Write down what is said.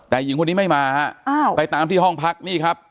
แต่หญิงคนนี้ไม่มาฮะอ้าวไปตามที่ห้องพักนี่ครับ